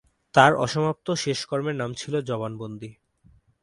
তার অসমাপ্ত শেষ কর্মের নাম ছিল "জবানবন্দি"।